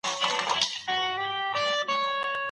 ښځو ته په کومه ورځ وعظ کېدی؟